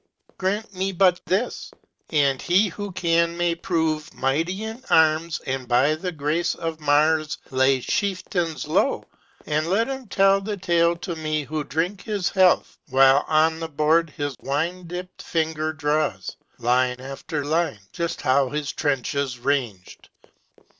Grant me but this! and he who can may prove Mighty in arms and by the grace of Mars Lay chieftains low; and let him tell the tale To me who drink his health, while on the board His wine dipped finger draws, line after line, Just how his trenches ranged!